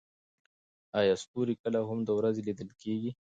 ایا ستوري کله هم د ورځې لیدل کیږي؟